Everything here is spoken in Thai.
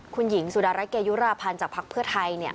คุณหญิงสุดารัฐเกยุราพันธ์จากภักดิ์เพื่อไทย